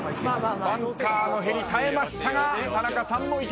バンカーのへり耐えましたが田中さんも池ポチャ。